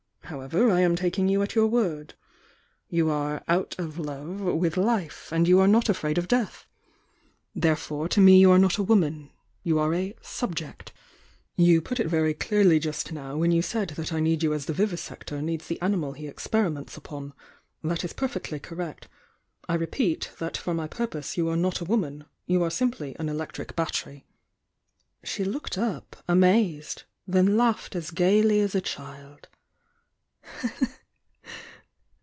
However, I am taking you at your word, — you are 'out of love' with life, and you are not afraid 206 THE YOUNG DIANA « ll n H of death. Therefore, to me you are not a woman— you are a 'subject':— you put it very clearly just now when you said that I need you as the vivisector needs the animal he experiments upon — that is per fectly correct. I repeat, that for my purpose, you are not a woman, — you are simply an electric bat tery." She looked up, amazed— then laughed as gaily as a child.